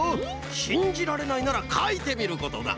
しんじられないならかいてみることだ。